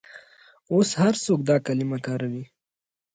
اوس هر څوک دا کلمه کاروي.